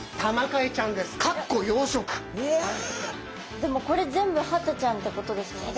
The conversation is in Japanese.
でもこれ全部ハタちゃんってことですもんね。